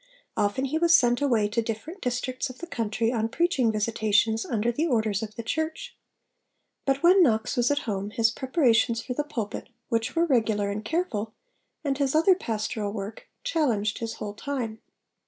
Often he was sent away to different districts of the country on preaching visitations under the orders of the Church. But when Knox was at home, his preparations for the pulpit, which were regular and careful, and his other pastoral work, challenged his whole time.